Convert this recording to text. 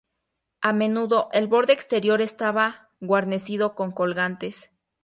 A menudo, el borde exterior estaba guarnecido con colgantes.